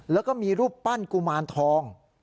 แล้วก็มีรูปปั้นกุมารทอง